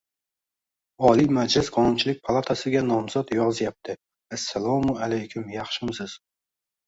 Oliy Majlis Qonunchilik palatasiga nomzod yozyapti Assalomu alaykum yaxshimisiz